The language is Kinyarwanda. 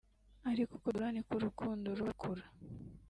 ariko uko dukura niko urukundo ruba rukura